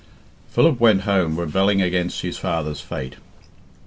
XVI. Philip went home rebelling against his father's fate.